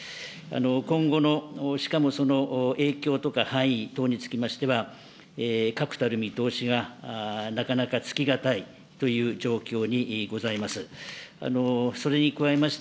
今後の、しかもその影響とかの範囲等につきましては、確たる見通しがなかなかつき難いという状況にございます。